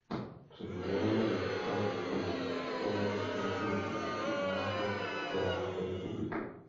Před branami města stanul spolu s dalšími tisíci vojáků Benátské republiky.